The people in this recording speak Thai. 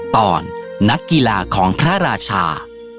ตอนนักกีฬาของพระราชา